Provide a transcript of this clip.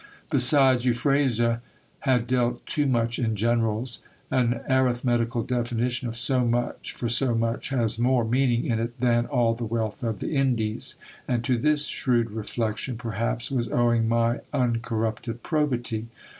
Besides, Euphrasia had dealt too much in generals ; an arithmetical definition of so much for so much has more meming in it than " all the wealth of the Indies ;" and to this shrewd reflection, per laps, was owing my uncorrupted probity.